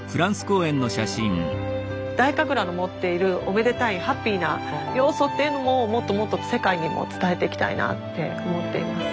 太神楽の持っているおめでたいハッピーな要素っていうのももっともっと世界にも伝えていきたいなって思っています。